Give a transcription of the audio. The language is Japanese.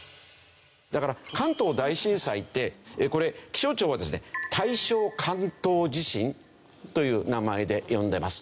だから関東大震災ってこれ気象庁はですね大正関東地震という名前で呼んでます。